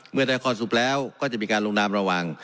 เมื่อได้ข้อสรุปแล้วก็จะมีการลงนามระหว่าง